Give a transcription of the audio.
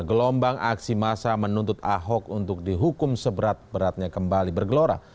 gelombang aksi massa menuntut ahok untuk dihukum seberat beratnya kembali bergelora